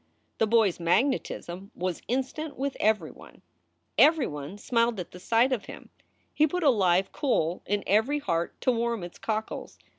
The boy s magnetism was instant with everyone. Every 260 SOUL S FOR SALE one smiled at the sight of him. He put a live coal in every heart to warm its cockles.